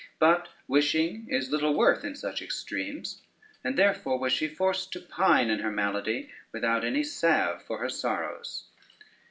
But wishing is little worth in such extremes, and therefore was she forced to pine in her malady, without any salve for her sorrows.